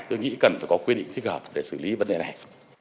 tôi nghĩ cần phải có quy định thích hợp để xử lý vấn đề này